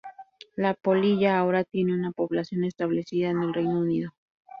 La polilla ahora tiene una población establecida en el Reino Unido.